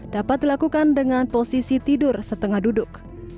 dapat dilakukan dengan posisi tidur setengah duduk